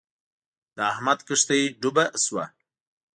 د احمد کښتی ډوبه شوه.